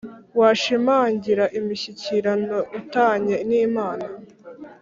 washimangira imishyikirano u tanye n Imana